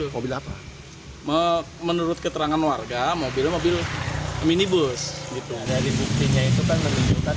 jadi salah satu penyelidikan usai bisnis itu memiliki seri seri bikin